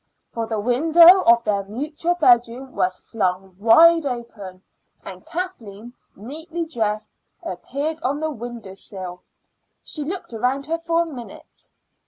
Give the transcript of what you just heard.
for the window of their mutual bedroom was flung wide open, and Kathleen, neatly dressed, appeared on the window sill. She looked around her for a minute.